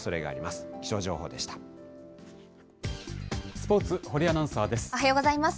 スポーツ、堀アナウンサーです。